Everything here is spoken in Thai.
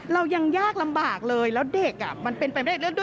เรายังยากลำบากเลยแล้วเด็กมันเป็นไปไม่ได้แล้ว